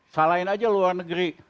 salahin aja luar negeri